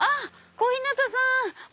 小日向さん。